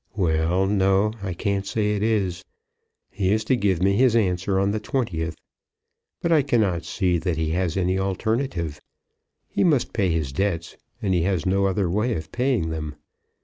"Well; no; I can't say it is. He is to give me his answer on the 20th. But I cannot see that he has any alternative. He must pay his debts, and he has no other way of paying them.